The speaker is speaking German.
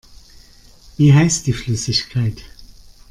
Wie heißt die Flüssigkeit?